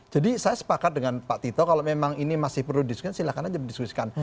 jadi saya sepakat dengan pak tito kalau memang ini masih perlu didiskusikan silahkan aja berdiskusikan